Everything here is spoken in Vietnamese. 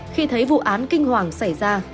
khi thấy vụ án kinh hoàng xảy ra